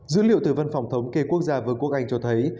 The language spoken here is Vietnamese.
dữ liệu từ văn phòng thống kê quốc gia vương quốc anh cho thấy